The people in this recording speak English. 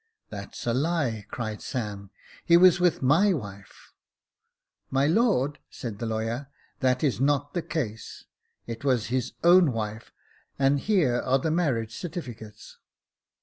"' That's a lie !' cried Sam ;* he was with my wife.* *'* My lord,' said the lawyer, ' that is not the case j it Jacob Faithful 95 was his own wife, and here are the marriage certifi cates.'